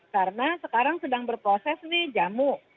karena sekarang sedang berproses nih jamu